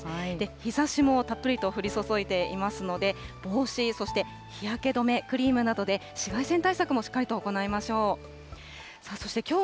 日ざしもたっぷりと降り注いでいますので、帽子、そして日焼け止めクリームなどで、紫外線対策もしっかりと行いましょう。